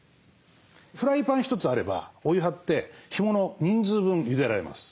フライパン一つあればお湯張って干物を人数分ゆでられます。